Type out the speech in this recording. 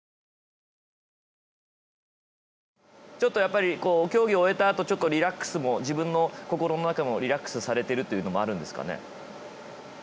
ちょっとやっぱり競技を終えたあとちょっとリラックスも自分の心の中もリラックスされているというのもあるんですかね。